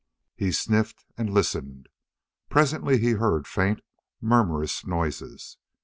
He sniffed and listened. Presently he heard faint, murmurous noises.